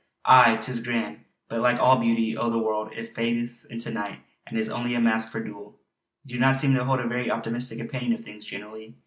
"Aye! 'Tis grand. But like all beauty o' the warld it fadeth into naught; an' is only a mask for dool." "You do not seem to hold a very optimistic opinion of things generally."